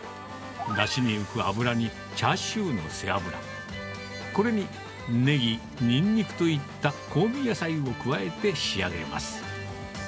だしに浮く油にチャーシューの背脂、これにネギ、ニンニクといった香味野菜を加えて仕上げます。